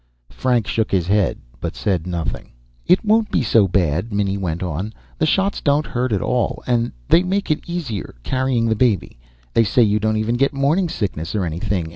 Frank shook his head but said nothing. "It won't be so bad," Minnie went on. "The shots don't hurt at all, and they make it easier, carrying the baby. They say you don't even get morning sickness or anything.